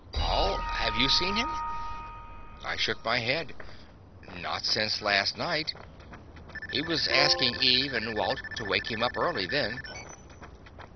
"Paul, have you seen him?" I shook my head. "Not since last night. He was asking Eve and Walt to wake him up early, then."